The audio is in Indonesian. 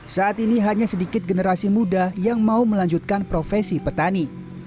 saat ini hanya sedikit generasi muda yang mau melanjutkan profesi petani